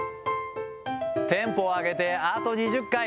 テンポを上げて、あと２０回。